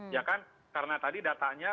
ya kan karena tadi datanya